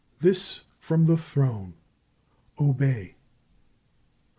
This from the Throne! Obey!"